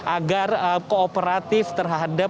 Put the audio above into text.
agar kooperatif terhadap